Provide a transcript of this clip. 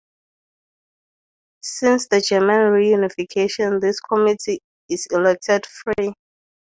Since the German reunification this committee is elected free.